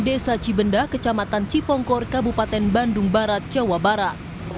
desa cibenda kecamatan cipongkor kabupaten bandung barat jawa barat